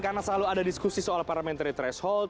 karena selalu ada diskusi soal parliamentary threshold